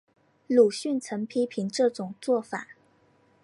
鲁迅曾批评这种做法。